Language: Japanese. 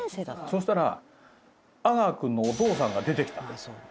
そしたら阿川君のお父さんが出てきた。